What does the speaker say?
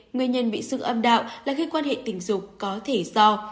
nguyên nhân bị sưng âm đạo là khi quan hệ tình dục có thể do